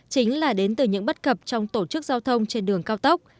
chính là đến từ những bất cập trong tổ chức giao thông trên đường cao tốc